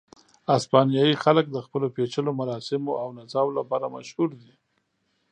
اسپانیایي خلک د خپلو پېچلیو مراسمو او نڅاو لپاره مشهور دي.